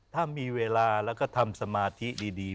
ถ้ามีเวลาแล้วก็ทำสมาธิดี